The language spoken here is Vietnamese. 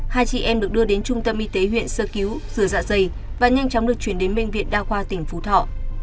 hai chị em được đưa đến trung tâm y tế huyện sơ cứu rửa dạ dày và nhanh chóng được chuyển đến bệnh viện đa khoa tỉnh phú thọ